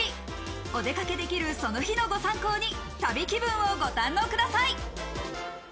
お出かけできるその日のご参考に旅気分をご堪能ください。